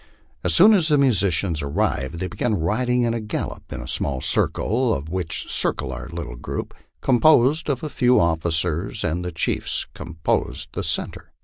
As soon as the musicians arrived they be gan riding in a gallop in a small circle, of which circle our little group, composed of a few officers and the chiefs, composed the centre.